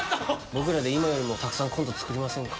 「僕らで今よりもたくさんコント作りませんか？」